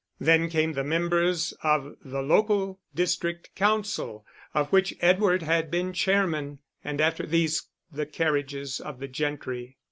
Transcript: Then came the members of the Local District Council, of which Edward had been chairman, and after these the carriages of the gentry.